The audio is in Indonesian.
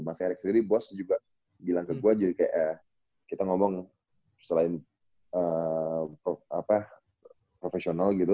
mas erick sendiri bos juga bilang ke gue jadi kayak kita ngomong selain profesional gitu